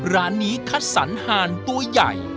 ร้านนี้คัดสรรหานตัวใหญ่